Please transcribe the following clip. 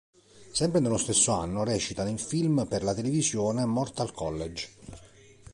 Sempre nello stesso anno recita nel film per la televisione "Mortal College".